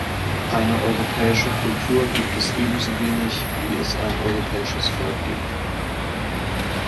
Eine europäische Kultur gibt es ebensowenig, wie es ein europäisches Volk gibt.